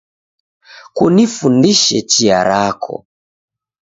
Kunifundishe chia rako